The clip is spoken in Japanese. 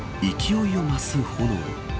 勢いを増す炎。